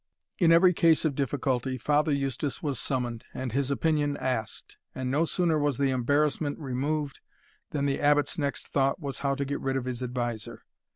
In every case of difficulty, Father Eustace was summoned, and his opinion asked; and no sooner was the embarrassment removed, than the Abbot's next thought was how to get rid of his adviser.